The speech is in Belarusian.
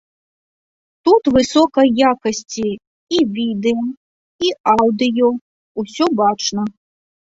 Тут высокай якасці і відэа і аўдыё, усё бачна.